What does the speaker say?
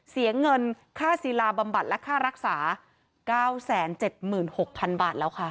เสียงเงินค่าศีลาบำบัดและค่ารักษาเก้าแสนเจ็ดหมื่นหกพันบาทแล้วค่ะ